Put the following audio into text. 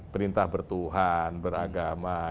perintah bertuhan beragama